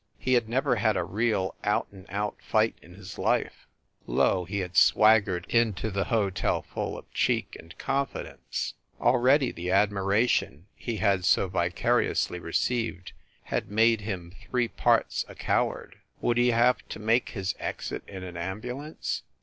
He had never had a real, out and out fight in his life ! Lo, he had swaggered into the hotel full of cheek and confidence ! Already the admiration he had so vicari ously received had made him three parts a coward. Would he have to make his exit in an ambulance